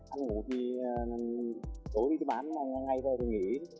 ăn ngủ thì tối đi bán ngay về thì nghỉ